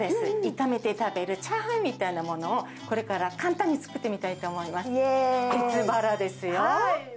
炒めて食べるチャーハンみたいなものを、これから簡単に作ってみたいと思います。